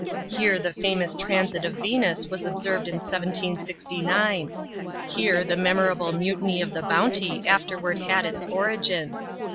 Here the famous Transit of Venus was observed in 1769. Here the memorable mutiny of the Bounty afterward had its origin.